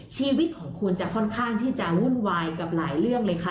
ชีวิตของคุณจะค่อนข้างที่จะวุ่นวายกับหลายเรื่องเลยค่ะ